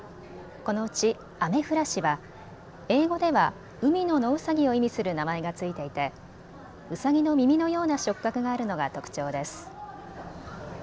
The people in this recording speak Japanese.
このうちアメフラシは英語では海のノウサギを意味する名前が付いていてうさぎの耳のような触角があるのが特徴です。